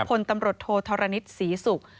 คนตำรุดโทเท้ารณิชย์ศรีศุกร์